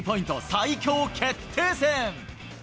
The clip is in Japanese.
最強決定戦。